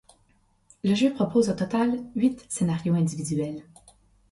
Le jeu propose au total huit scénarios individuels.